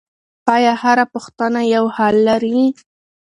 آیا هره پوښتنه یو حل نه لري؟